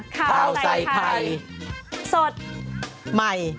ข้าวใส่ไข่สดใหม่